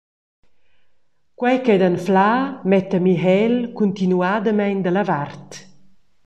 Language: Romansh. Quei ch’ei d’anflar metta Michel cuntinuadamein dalla vart.